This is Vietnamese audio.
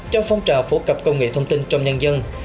cho phong trào phổ cập công nghệ thông tin trong nhân dân